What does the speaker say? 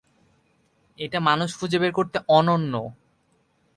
এটা মানুষ খুঁজে বের করতে অনন্য।